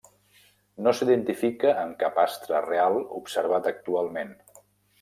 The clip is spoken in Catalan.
No s'identifica amb cap astre real observat actualment.